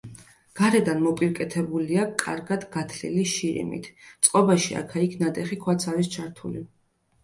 გარედან მოპირკეთებულია კარგად გათლილი შირიმით, წყობაში აქა-იქ ნატეხი ქვაც არის ჩართული.